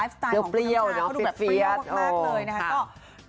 ไลฟ์สไตล์ของคุณน้ำชาเขาดูแบบเปรี้ยวมากเลยนะคะฟรี๊ด